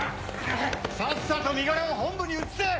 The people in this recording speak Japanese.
さっさと身柄を本部に移せ！